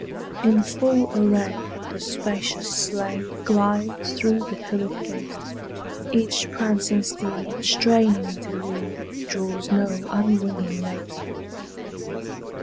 In full array, the spacious sleigh Glides through the pillared gate: Each prancing steed, straining to lead, Draws no unwilling mate.